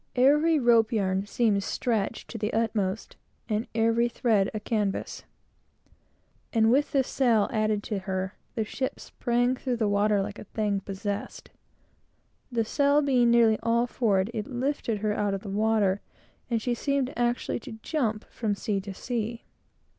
Every rope yarn seemed stretched to the utmost, and every thread of canvas; and with this sail added to her, the ship sprang through the water like a thing possessed. The sail being nearly all forward, it lifted her out of the water, and she seemed actually to jump from sea to sea.